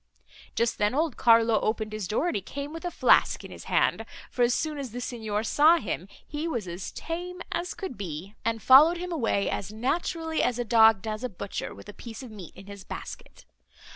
Just then old Carlo opened his door, and he came with a flask in his hand; for, as soon as the Signor saw him, he was as tame as could be, and followed him away as naturally as a dog does a butcher with a piece of meat in his basket.